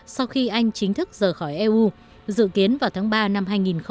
sau khi anh chính thức rời khỏi eu dự kiến vào tháng ba năm hai nghìn một mươi chín